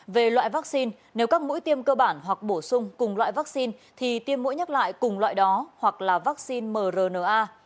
về loại vaccine nếu các mũi tiêm cơ bản hoặc bổ sung cùng loại vaccine thì tiêm mũi nhắc lại cùng loại đó hoặc là vaccine mrna